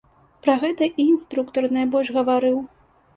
Пра гэта і інструктар найбольш гаварыў.